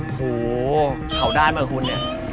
โอ้โหเขาด้านมากับคุณเนี้ย